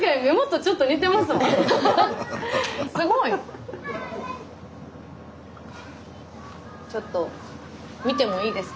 すごい！ちょっと見てもいいですか？